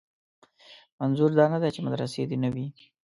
منظور دا نه دی چې مدرسې دې نه وي.